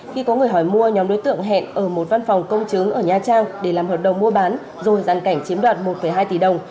khi có người hỏi mua nhóm đối tượng hẹn ở một văn phòng công chứng ở nha trang để làm hợp đồng mua bán rồi giàn cảnh chiếm đoạt một hai tỷ đồng